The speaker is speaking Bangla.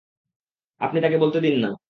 আপনি তাকে বলতে দিন না।